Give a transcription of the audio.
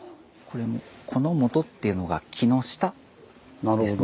「このもと」っていうのが木の下ですね。